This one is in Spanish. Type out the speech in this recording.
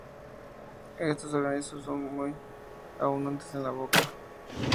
Estos organismos son muy abundantes en la boca.